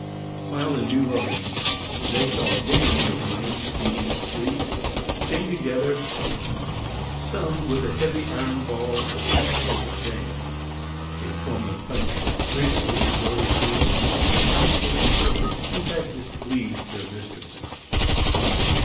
While in New Orleans they saw gangs of women cleaning the streets, chained together, some with a heavy iron ball attached to the chain; a form of punishment frequently resorted to for household servants who had displeased their mistresses.